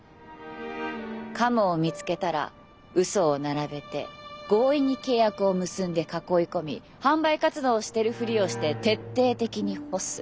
カモを見つけたら嘘を並べて強引に契約を結んで囲い込み販売活動をしてるふりをして徹底的に干す。